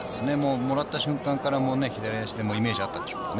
もらった瞬間から左足でイメージあったでしょうからね。